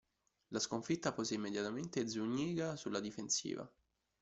La sconfitta pose immediatamente Zúñiga sulla difensiva.